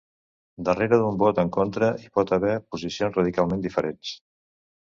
Darrere d'un vot en contra hi pot haver posicions radicalment diferents.